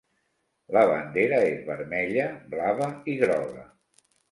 La bandera és vermella, blava i groga.